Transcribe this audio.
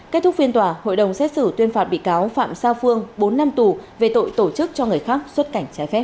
kết thúc phiên tòa hội đồng xét xử tuyên phạt bị cáo phạm sa phương bốn năm tù về tội tổ chức cho người khác xuất cảnh trái phép